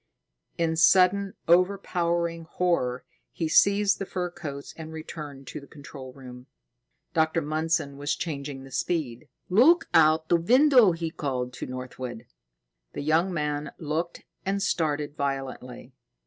In sudden, overpowering horror, he seized the fur coats and returned to the control room. Dr. Mundson was changing the speed. "Look out the window!" he called to Northwood. The young man looked and started violently.